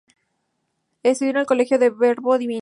Estudió en el Colegio del Verbo Divino